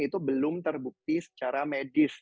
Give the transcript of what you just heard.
itu belum terbukti secara medis